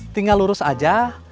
tinggal lurus aja